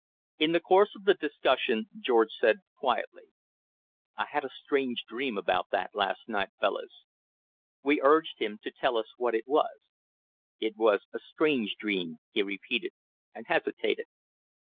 In the course of the discussion George said quietly: "I had a strange dream about that last night, fellus." We urged him to tell us what it was. "It was a strange dream," he repeated, and hesitated.